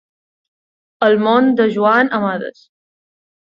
El món de Joan Amades.